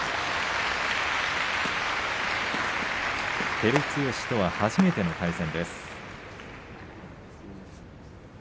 照強とは初めての対戦です。